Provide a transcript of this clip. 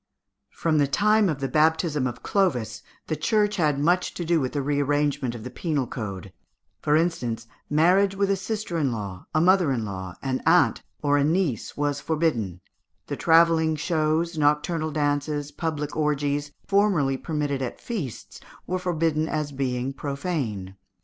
From the time of the baptism of Clovis, the Church had much to do with the re arrangement of the penal code; for instance, marriage with a sister in law, a mother in law, an aunt, or a niece, was forbidden; the travelling shows, nocturnal dances, public orgies, formerly permitted at feasts, were forbidden as being profane.